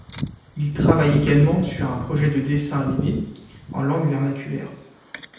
Il travaille également sur un projet de dessins animés en langue vernaculaire.